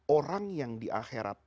orang yang di akhirat